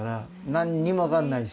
何にも分かんないし。